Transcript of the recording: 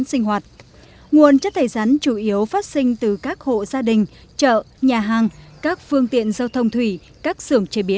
xin chào và hẹn gặp lại